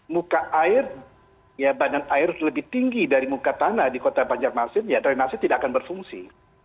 muka air ya badan air lebih tinggi dari muka tanah di kota banjarmasin ya drainase tidak akan berfungsi